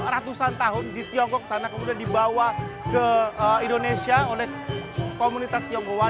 ratusan tahun di tiongkok sana kemudian dibawa ke indonesia oleh komunitas tionghoa